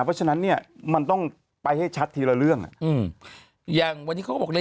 เพราะฉะนั้นเนี่ยมันต้องไปให้ชัดทีละเรื่องอ่ะอืมอย่างวันนี้เขาก็บอกเลย